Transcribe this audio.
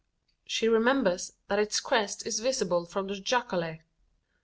She remembers that its crest is visible from the jacale.